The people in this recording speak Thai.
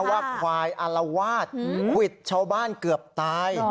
ว่าควายอารวาสควิดชาวบ้านเกือบตาย